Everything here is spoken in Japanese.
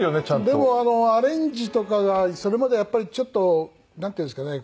でもアレンジとかがそれまでやっぱりちょっとなんていうんですかね